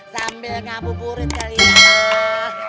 sambil ngebu burit kali itu